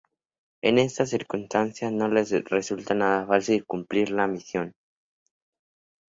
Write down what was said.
En estas circunstancias no le resultará nada fácil cumplir con su misión.